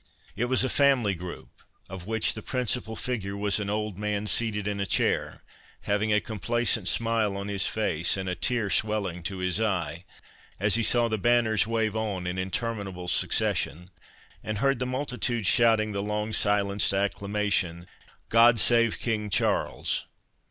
It was a family group, of which the principal figure was an old man seated in a chair, having a complacent smile on his face, and a tear swelling to his eye, as he saw the banners wave on in interminable succession, and heard the multitude shouting the long silenced acclamation, "God save King Charles."